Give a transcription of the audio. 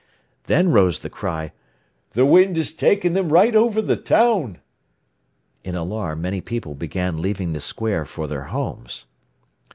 Then rose the cry, "The wind is taking them right over the town!" In alarm many people began leaving the square for their homes.